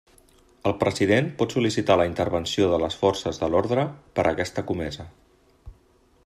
El president pot sol·licitar la intervenció de les forces de l'orde per a aquesta comesa.